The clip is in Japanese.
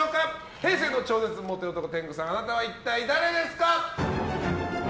平成の超絶モテ男天狗さんあなたは一体誰ですか？